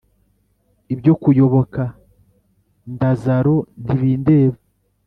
ibyo kuyoboka ndazaro ntibindeba